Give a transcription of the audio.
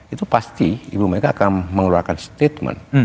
itu pasti ibu mega akan mengeluarkan statement